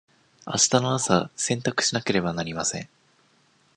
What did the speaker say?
あしたの朝洗濯しなければなりません。